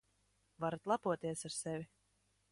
Varat lepoties ar sevi.